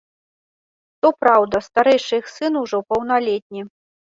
Што праўда, старэйшы іх сын ужо паўналетні.